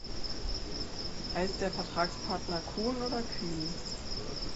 Heißt der Vertragspartner Kuhn oder Kühn?